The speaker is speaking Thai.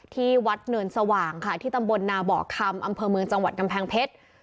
ที่วัดเนินสว่างค่ะที่ตำบลนาบอกคำอำเภอเมืองจังหวัดกำแพงเพชร